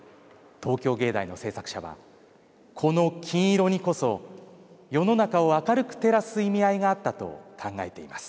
東京藝大の制作者はこの金色にこそ世の中を明るく照らす意味合いがあったと考えています。